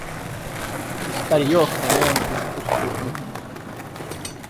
Старье охраняем искусства именем.